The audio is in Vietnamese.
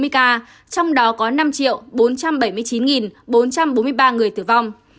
hai trăm bảy mươi sáu chín trăm bốn mươi ca trong đó có năm bốn trăm bảy mươi chín bốn trăm bốn mươi ba người tử vong